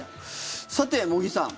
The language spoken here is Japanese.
さて、茂木さん